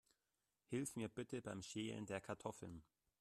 Hilf mir bitte beim Schälen der Kartoffeln.